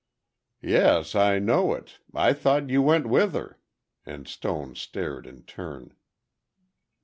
"Yes, I know it—I thought you went with her!" and Stone stared in turn.